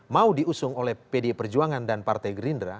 mau diusung oleh pdip dan partai gerindra